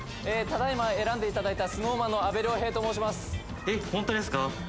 ただいま選んでいただいたＳｎｏｗＭａｎの阿部亮平と申します